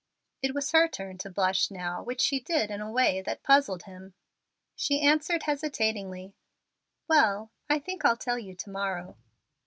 It was her turn to blush now, which she did in a way that puzzled him. She answered, hesitatingly, "Well, I think I'll tell you to morrow."